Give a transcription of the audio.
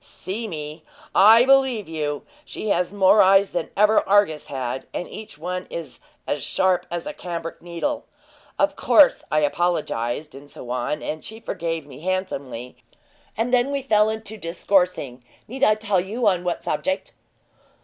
"See me? I believe you! She has more eyes than ever Argus had, and each one is as sharp as a cambric needle. Of course I apologized, and so on, and she forgave me handsomely, and then we fell to discoursing need I tell you on what subject?"